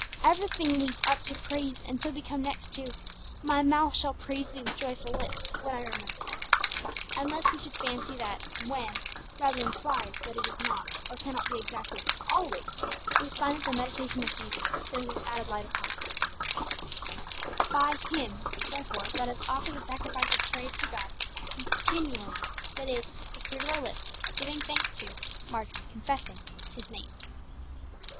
Everything leads up to praise, and so we come next to 'My mouth shall praise Thee with joyful lips, when I remember Thee.' And lest we should fancy that 'when' rather implies that it is not, or cannot be, exactly always, we find that the meditation of Jesus throws this added light upon it, 'By Him, therefore, let us offer the sacrifice of praise to God continually, that is, the fruit of our lips, giving thanks to' (margin, confessing) 'His name.'